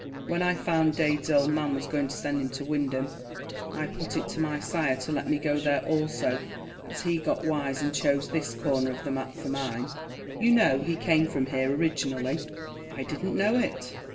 When I found Dade's old man was going to send him to Wyndham, I put it up to my sire to let me go there also, but he got wise and chose this corner of the map for mine. You know, he came from here originally." "I didn't know it."